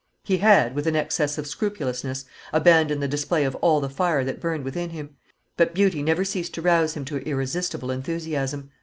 He had, with an excess of scrupulousness, abandoned the display of all the fire that burned within him; but beauty never ceased to rouse him to irresistible enthusiasm.